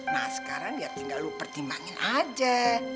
nah sekarang ya tinggal lu pertimbangin aja